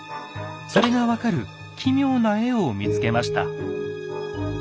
それが分かる奇妙な絵を見つけました。